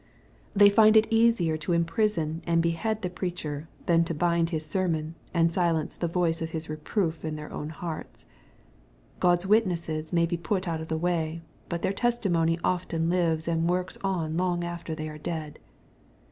They find it easier to imprison and behead the preacher, than to bind his sermon, and silence the voice of his reproof in their own hearts. God's witnesses may be put out of the way, but their testimony often lives and works on long after they are dead.